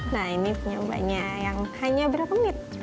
nah ini punya mbaknya yang hanya berapa menit